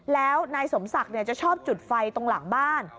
แล้วนายสมศักดิ์จะชอบจุดไฟตรงหลังบ้าน